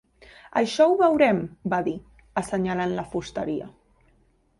"Això ho veurem", va dir, assenyalant la fusteria.